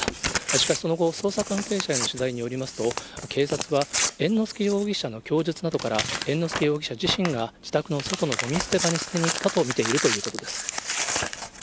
しかし、その後、捜査関係者への取材によりますと、警察は猿之助容疑者の供述などから、猿之助容疑者自身が、自宅の外のごみ捨て場に捨てに行ったと見ているということです。